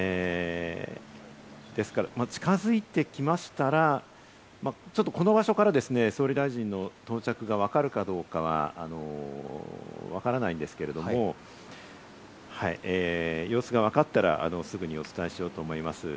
ですから近づいてきましたら、この場所からですね、総理大臣の到着がわかるかどうかはわからないんですけれども、様子がわかったら、すぐにお伝えしようと思います。